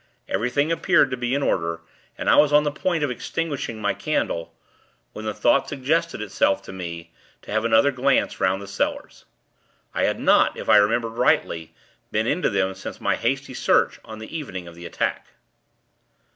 Everything appeared to be in order, and I was on the point of extinguishing my candle, when the thought suggested itself to me to have another glance 'round the cellars. I had not, if I remember rightly, been into them since my hasty search on the evening of the attack.